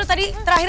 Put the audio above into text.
dimana si april